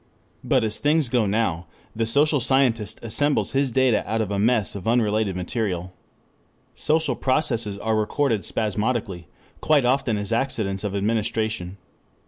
But as things go now, the social scientist assembles his data out of a mass of unrelated material. Social processes are recorded spasmodically, quite often as accidents of administration.